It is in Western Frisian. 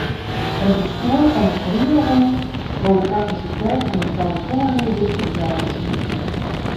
It bestjoer fan de feriening wol de kapasiteit fan it tal toerriders útwreidzje.